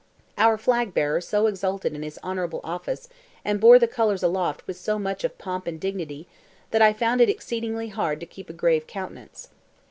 Our flag bearer so exulted in his honourable office, and bore the colours aloft with so much of pomp and dignity, that I found it exceedingly hard to keep a grave countenance.